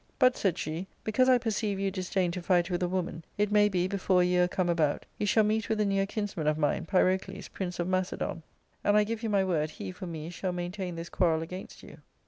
But," said she, " because I perceive you disdain to fight with a woman, it may be, before a year come about, you shall meet with a near kinsman of mine, Pyrocles, prince of Macedon ; and I give you my word, he, for me, shall maintain this quarrel against you."